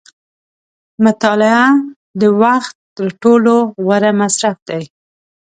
• مطالعه د وخت تر ټولو غوره مصرف دی.